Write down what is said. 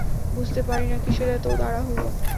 বুঝতে পারি না, কিসের এত তাড়াহুড়ো?